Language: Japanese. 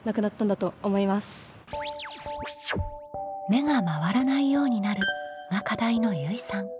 「目が回らないようになる」が課題のゆいさん。